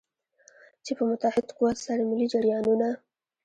چې په متحد قوت سره ملي جریانونه.